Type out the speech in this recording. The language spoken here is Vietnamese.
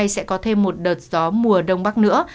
sẽ có thêm một đợt gió mùa đông bắc nữa